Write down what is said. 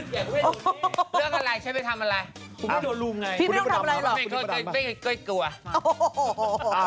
เออพี่ไม่ต้องทำอะไรหรอกดูลูงหน่อยครูนี่มาทำมาพี่ไม่เข้าไปเก่ยกลัว